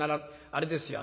あれですよ